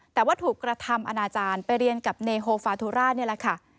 แต่ว่าถูกกระทำอนาจารย์ไปเรียนกับเนโฮฟาทุรานี่แหละค่ะ